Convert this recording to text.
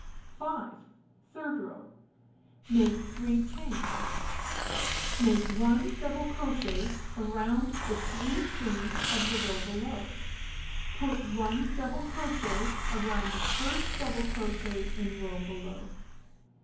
5. Third row: Make 3 chains. Make 1 double crochet around the 3 chains of the row below. Put 1 double crochet around the first double crochet in row below.